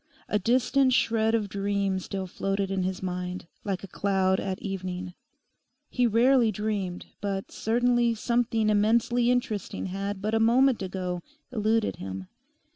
A distant shred of dream still floated in his mind, like a cloud at evening. He rarely dreamed, but certainly something immensely interesting had but a moment ago eluded him.